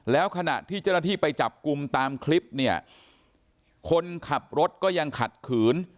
แล้วขณะที่เจ้าหน้าที่ไปจับกลุ่มตามคลิปเนี่ยคนขับรถก็ยังขัดขืน